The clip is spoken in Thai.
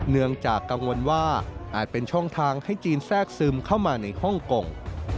เนื่องจากกังวลว่าอาจเป็นช่องทางให้จีนแทรกซึมเข้ามาในฮ่องกง